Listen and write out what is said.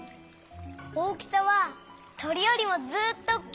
大きさはとりよりもずっとおっきいんだ！